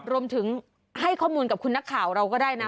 รวมถึงให้ข้อมูลกับคุณนักข่าวเราก็ได้นะ